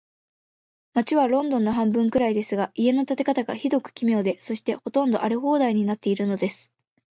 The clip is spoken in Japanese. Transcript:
街はロンドンの半分くらいですが、家の建て方が、ひどく奇妙で、そして、ほとんど荒れ放題になっているのです。